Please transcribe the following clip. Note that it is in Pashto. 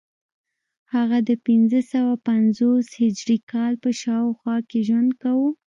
هغه د پنځه سوه پنځوس هجري کال په شاوخوا کې ژوند کاوه